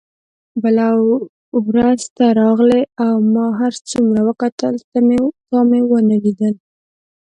بله ورځ ته راغلې او ما هر څومره وکتل تا مې ونه لیدل.